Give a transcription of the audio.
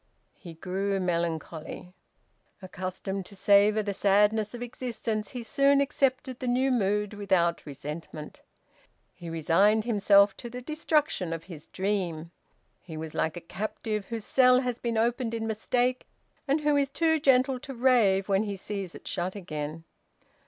He grew melancholy. Accustomed to savour the sadness of existence, he soon accepted the new mood without resentment. He resigned himself to the destruction of his dream. He was like a captive whose cell has been opened in mistake, and who is too gentle to rave when he sees it shut again.